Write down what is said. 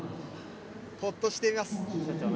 ほっとしています。